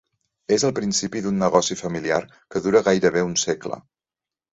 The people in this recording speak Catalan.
És el principi d'un negoci familiar que dura gairebé un segle.